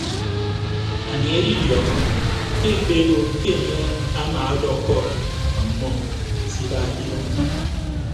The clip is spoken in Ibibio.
Anie edidiọọñọ ke ekpebo ke enye amaadọkkọ ọmmọ se iba ke idʌñ.